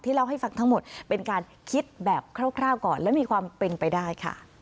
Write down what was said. เล่าให้ฟังทั้งหมดเป็นการคิดแบบคร่าวก่อนและมีความเป็นไปได้ค่ะ